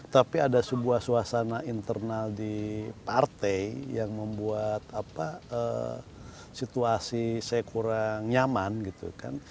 tapi ada sebuah suasana internal di partai yang membuat situasi saya kurang nyaman gitu kan